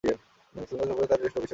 শ্রীলঙ্কা সফরে তার টেস্ট অভিষেক ঘটে।